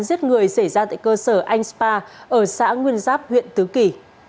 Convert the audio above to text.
giết người xảy ra tại cơ sở anh spa ở xã nguyên giáp huyện tứ kỳ